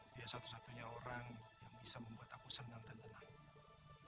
dia satu satunya orang yang bisa membuat aku senang dan tenang